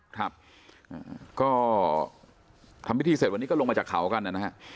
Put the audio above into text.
ครับก็ทำพิธีเสร็จวันนี้ก็ลงมาจากเขากันนะฮะ